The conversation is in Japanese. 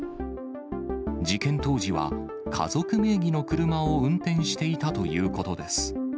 事件当時は、家族名義の車を運転していたということです。